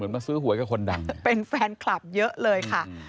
มาซื้อหวยกับคนดังเป็นแฟนคลับเยอะเลยค่ะ